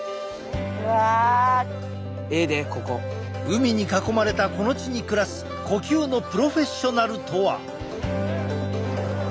海に囲まれたこの地に暮らす呼吸のプロフェッショナルとは。